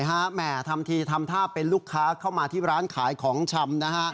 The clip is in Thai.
แหม่ทำทีทำท่าเป็นลูกค้าเข้ามาที่ร้านขายของชำนะฮะ